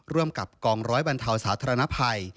ร่วมกับกองร้อยบรรเทาสาธารณภัย